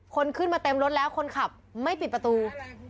คนขึ้นมาเต็มรถแล้วคนขับไม่ปิดประตู